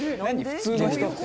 普通の人って。